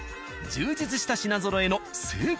充実した品ぞろえのすごい。